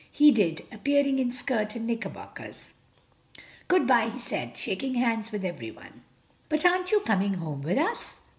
He did, appearing in shirt and knickerbockers. "Good bye," he said, shaking hands with everyone. "But aren't you coming home with us?"